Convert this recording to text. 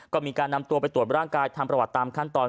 ก็มีการนำตัวไปตรวจร่างกายทำประวัติตามขั้นตอน